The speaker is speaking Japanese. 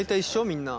みんな。